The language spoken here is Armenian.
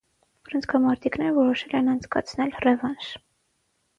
Բռնցքամարտիկները որոշել են անց կացնել ռևանշ։